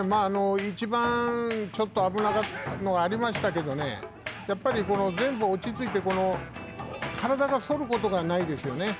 一番ちょっと危なかったのがありましたけれどもやっぱり前後落ち着いて体が反ることがないですよね。